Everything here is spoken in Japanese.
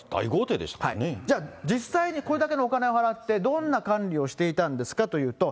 じゃあ、実際にこれだけのお金を払って、どんな管理をしていたんですかというと。